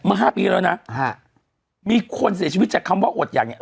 ห้าปีแล้วนะมีคนเสียชีวิตจากคำว่าอดอยากเนี่ย